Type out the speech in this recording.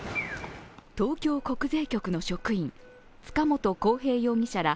東京国税局の職員塚本晃平容疑者ら